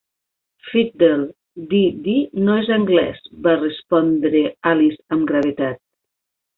"Fiddle-de-dee no és anglès", va respondre Alice amb gravetat.